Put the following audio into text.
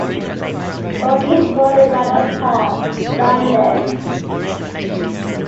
George was born in Manor Park, London.